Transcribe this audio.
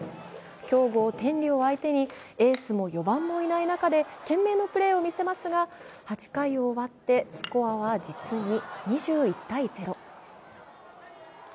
強豪・天理を相手にエースも４番もいない中で懸命のプレーを見せますが８回を終わってスコアは実に２１−０。